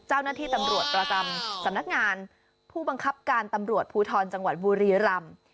เจ้าหน้าที่ตำรวจประจำสำนักงานผู้บังคับการตำรวจภูทรจังหวัดบุรีรำ